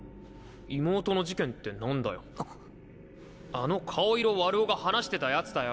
あの顔色悪男が話してたやつだよ！